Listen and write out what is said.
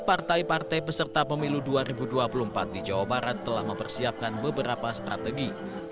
partai partai peserta pemilu dua ribu dua puluh empat di jawa barat telah mempersiapkan beberapa strategi